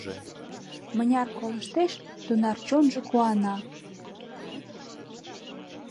Мыняр колыштеш, тунар чонжо куана.